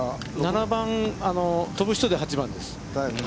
７番、飛ぶ人で８番です。